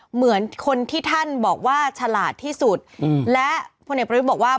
เหมือนคนที่ท่านบอกว่าฉลาดที่สุดและพลเอกประวิทย์บอกว่า